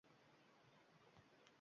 Biroq molu mulkka toʼymas yuho badnafs.